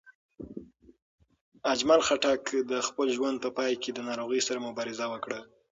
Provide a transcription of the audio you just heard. اجمل خټک د خپل ژوند په پای کې د ناروغۍ سره مبارزه وکړه.